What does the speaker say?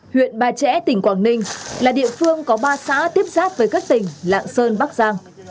huyện ba trẻ tỉnh quảng ninh là địa phương có ba xã tiếp giáp với các tỉnh lạng sơn bắc giang